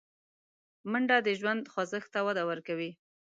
منډه د ژوند خوځښت ته وده ورکوي